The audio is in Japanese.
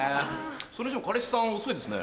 それにしても彼氏さん遅いですね。